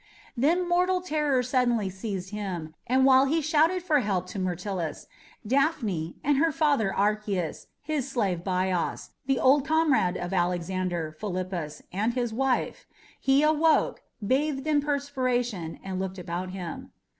Then mortal terror suddenly seized him, and while he shouted for help to Myrtilus, Daphne, and her father Archias, his slave Bias, the old comrade of Alexander, Philippus, and his wife, he awoke, bathed in perspiration, and looked about him.